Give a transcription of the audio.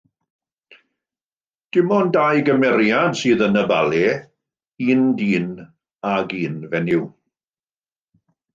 Dim ond dau gymeriad sydd yn y bale, un dyn ac un fenyw.